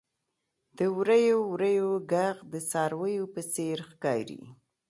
• د وریو وریو ږغ د څارويو په څېر ښکاري.